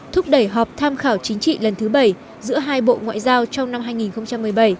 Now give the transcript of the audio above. thúc đẩy họp tham khảo chính trị lần thứ bảy giữa hai bộ ngoại giao trong năm hai nghìn một mươi bảy